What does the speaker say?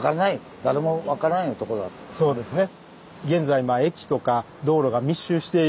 そうですね。